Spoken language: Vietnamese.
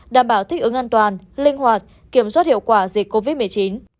đảm bảo thích ứng an toàn linh hoạt kiểm soát hiệu quả dịch covid một mươi chín